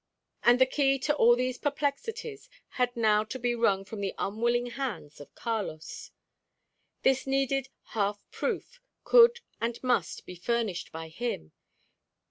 And the key to all these perplexities had now to be wrung from the unwilling hands of Carlos. This needed "half proof" could, and must, be furnished by him.